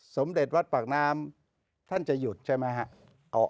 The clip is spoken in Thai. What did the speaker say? สมเด็จวัดปากน้ำท่านจะหยุดใช่ไหมครับ